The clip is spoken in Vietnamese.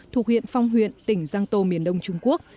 thuộc huyện phong huyện tỉnh giang tô miền đông trung quốc